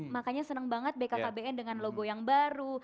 makanya senang banget bkkbn dengan logo yang baru